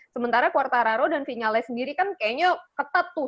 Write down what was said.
sementara quartararo dan vinale sendiri kan kayaknya ketat tuh